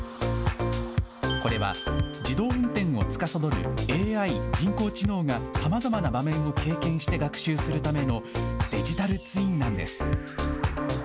これは自動運転をつかさどるＡＩ・人工知能が、さまざまな場面を経験して学習するためのデジタルツインなんです。